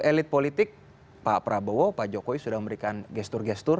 elit politik pak prabowo pak jokowi sudah memberikan gestur gestur